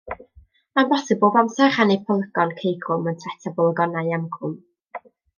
Mae'n bosibl bob amser rhannu polygon ceugrwm yn set o bolygonau amgrwm.